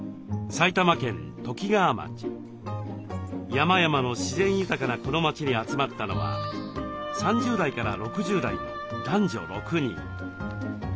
山々の自然豊かなこの町に集まったのは３０代から６０代の男女６人。